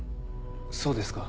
そうですか。